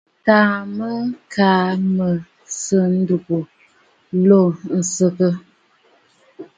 Taà mə kaa mə̀ sɨ̌ ndúgú lô ǹsɨgə.